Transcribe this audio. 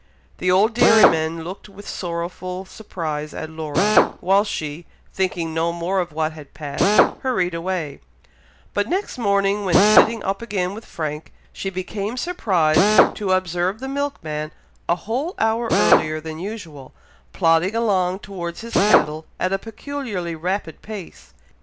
The old dairyman looked with sorrowful surprise at Laura, while she, thinking no more of what had passed, hurried away; but next morning, when sitting up again with Frank, she became surprised to observe the milkman a whole hour earlier than usual, plodding along towards his cattle at a peculiarly rapid pace.